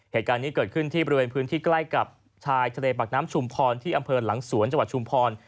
เหตุการณ์นี้เกิดขึ้นที่บริเวณพื้นที่ใกล้กับชายทะเลปากน้ำชุมพรที่อำเภอหลังสวนจังหวัดชุมพร